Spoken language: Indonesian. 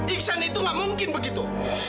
iksan itu gak mungkin begitu